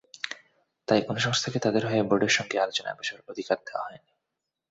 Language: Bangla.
তাই কোনো সংস্থাকে তাদের হয়ে বোর্ডের সঙ্গে আলোচনায় বসার অধিকার দেওয়া হয়নি।